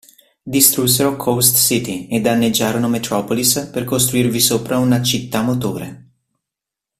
Distrussero Coast City e danneggiarono Metropolis per costruirvi sopra una "città-motore".